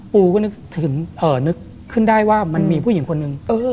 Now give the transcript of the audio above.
ปูก็นึกขึ้นได้ว่ามันมีผู้หญิงคนนึง